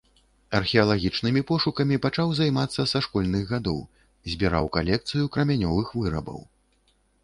Археалагічнымі пошукамі пачаў займацца са школьных гадоў, збіраў калекцыю крамянёвых вырабаў.